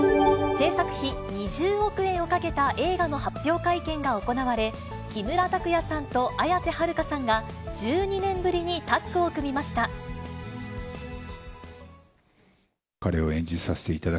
製作費２０億円をかけた映画の発表会見が行われ、木村拓哉さんと綾瀬はるかさんが、１２年ぶりにタッグを組みました。